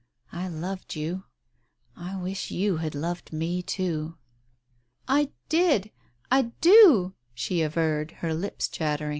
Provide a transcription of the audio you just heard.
I loved you — I wish you had loved me too !" "I; did — I do," she averred, her lips chattering.